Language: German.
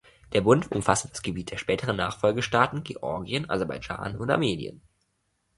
Der Bund umfasste das Gebiet der späteren Nachfolgestaaten Georgien, Aserbaidschan und Armenien.